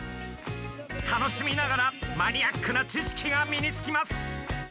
楽しみながらマニアックな知識が身につきます。